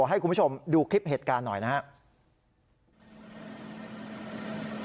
ให้คุณผู้ชมดูคลิปเหตุการณ์หน่อยนะครับ